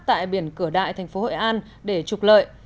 tại biển cửa đại thành phố hội an để trục lợi